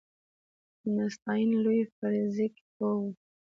آینسټاین لوی فزیک پوه و